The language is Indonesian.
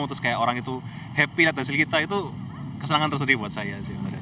terus kayak orang itu happy lihat hasil kita itu kesenangan tersedih buat saya